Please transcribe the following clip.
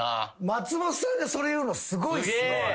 松本さんがそれ言うのすごいっすね。